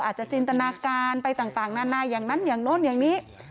จินตนาการไปต่างนานาอย่างนั้นอย่างโน้นอย่างนี้